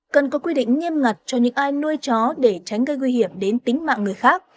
cần có quy định nghiêm ngặt cho những ai nuôi chó để tránh gây nguy hiểm đến tính mạng người khác